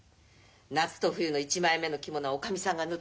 「夏と冬の１枚目の着物はおかみさんが縫ってくれた」って。